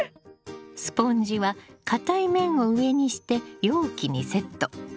スポンジは硬い面を上にして容器にセット。